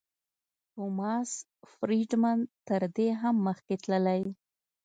ټوماس فریډمن تر دې هم مخکې تللی.